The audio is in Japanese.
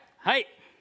はい。